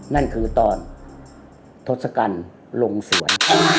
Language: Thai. นั่นคือตอนทศกัณฐ์ลงสวน